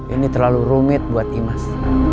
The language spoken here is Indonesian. ini terlalu rumit buat imas